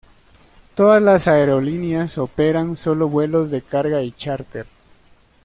Todas las aerolíneas operan sólo vuelos de carga y chárter.